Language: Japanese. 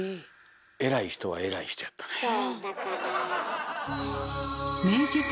偉い人は偉い人やったね。